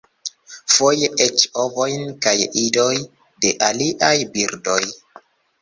Foje eĉ ovojn kaj idoj de aliaj birdoj.